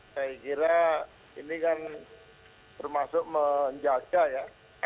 saya kira ini kan termasuk menjaga ya